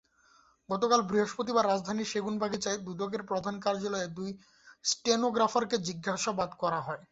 গতকাল বৃহস্পতিবার রাজধানীর সেগুনবাগিচায় দুদকের প্রধান কার্যালয়ে দুই স্টেনোগ্রাফারকে জিজ্ঞাসাবাদ করা হয়।